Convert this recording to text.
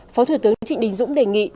phó thủ tướng trịnh đình dũng đề nghị